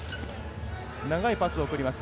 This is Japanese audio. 長いパスを送ります。